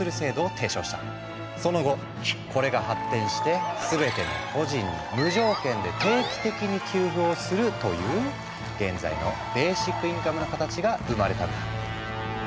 その後これが発展して「すべての個人に」「無条件で」「定期的に給付」をするという現在のベーシックインカムの形が生まれたんだ。